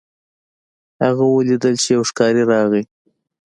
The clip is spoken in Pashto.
هغه ولیدل چې یو ښکاري راغی.